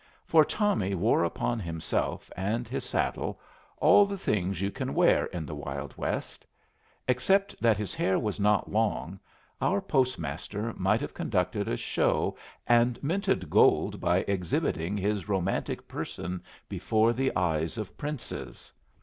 For Tommy wore upon himself and his saddle all the things you can wear in the Wild West. Except that his hair was not long, our postmaster might have conducted a show and minted gold by exhibiting his romantic person before the eyes of princes.